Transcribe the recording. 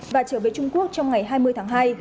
và trở về trung quốc trong ngày hai mươi tháng hai